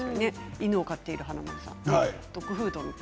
犬を飼っている華丸さんどうですか。